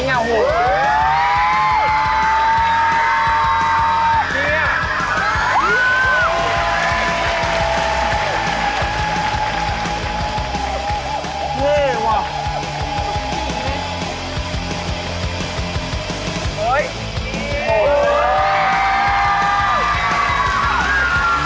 โชว์จากปริศนามหาสนุกหมายเลขหนึ่ง